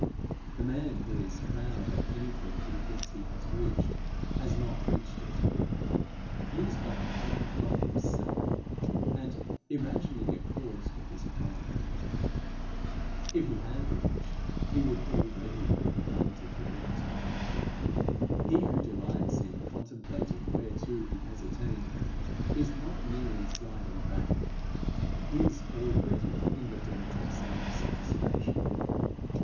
The man who is proud of anything he thinks he has reached, has not reached it. He is but proud of himself, and imagining a cause for his pride. If he had reached, he would already have begun to forget. He who delights in contemplating whereto he has attained, is not merely sliding back; he is already in the dirt of self satisfaction.